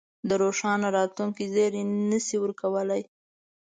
د روښانه راتلونکې زېری نه شي ورکولای.